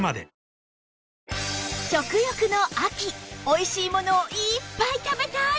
おいしいものをいっぱい食べたい！